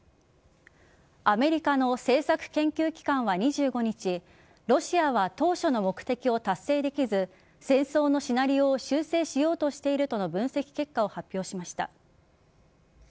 アメリカの政策研究機関は２５日ロシアは当初の目的を達成できず戦争のシナリオを修正しようとしているとの分析結果を発表しました。